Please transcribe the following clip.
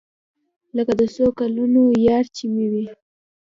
لکه د څو کلونو يار چې مې وي.